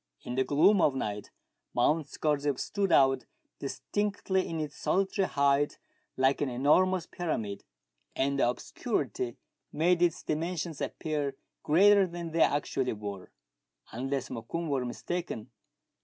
In the gloom of night Mount Scorzef stood out distinctly in its solitary height, like an enormous pyramid, and the obscurity made its dimensions appear greater than they actually were. Unless Mokoum were mistaken.